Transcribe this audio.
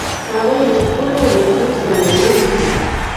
هغوی له خپلو بچو سره لوبې کوي